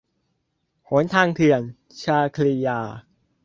หนทางเถื่อน - ชาครียา